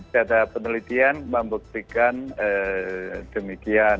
data penelitian membuktikan demikian